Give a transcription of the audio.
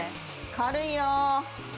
軽いよ！